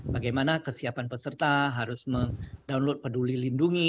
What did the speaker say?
bagaimana kesiapan peserta harus mendownload peduli lindungi